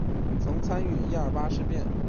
曾参与一二八事变。